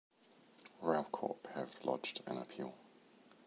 RailCorp have lodged an appeal.